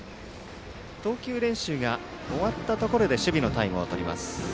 投球練習が終わったところで守備のタイムをとります。